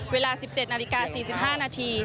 เวลา๑๗นาฬิกา๔๕นาที